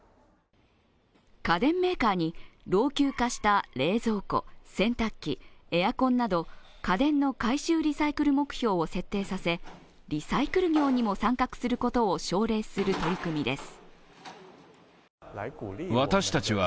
家電メーカーに老朽化した冷蔵庫、洗濯機、エアコンなど家電の回収リサイクル目標を設定させ、リサイクル業にも参画することを奨励する取り組みです。